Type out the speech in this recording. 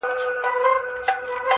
خوله یې خلاصه دواړي سترګي یې ژړاندي-